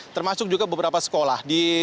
termasuk juga beberapa sekolah